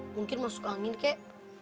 mungkin masuk angin kak